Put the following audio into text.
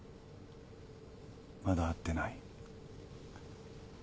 まだ会ってない。